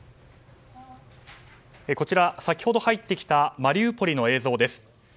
こちら、先ほど入ってきたマリウポリの映像です。